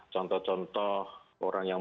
contoh contoh orang yang